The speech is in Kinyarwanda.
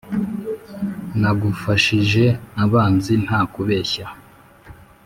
Nagufashije abanzi nta kubeshya,